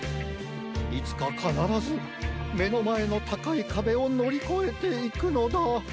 いつかかならずめのまえのたかいかべをのりこえていくのだ！